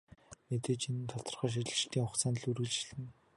Мэдээж энэ нь тодорхой шилжилтийн хугацаанд л үргэлжилнэ.